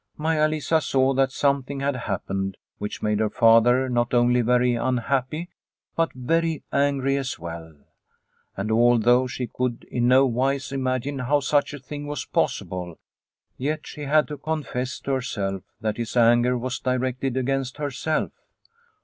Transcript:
Maia Lisa saw that something had happened which made her father not only very unhappy, but very angry as well. And al though she could in no wise imagine how such a thing was possible, yet she had to confess to herself that his anger was directed against herself.